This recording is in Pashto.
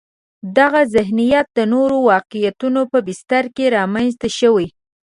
دغه ذهنیت د نورو واقعیتونو په بستر کې رامنځته شوی.